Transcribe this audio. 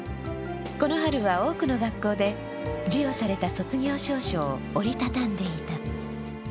この春は多くの学校で授与された卒業証書を折り畳んでいた。